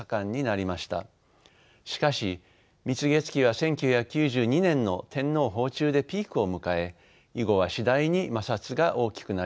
しかし蜜月期は１９９２年の天皇訪中でピークを迎え以後は次第に摩擦が大きくなりました。